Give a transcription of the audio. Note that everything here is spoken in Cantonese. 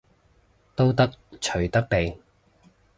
都得，隨得你